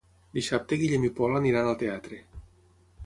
Dissabte en Guillem i en Pol iran al teatre.